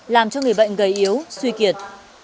làm cho người bệnh gây yếu suy kiệt